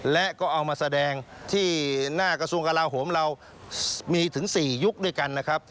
และก็เอามาแสดงที่หน้ากระทรวงกลาโหมเรามีถึง๔ยุคด้วยกันนะครับ